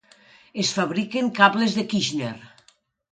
Es fabriquen cables de Kirschner.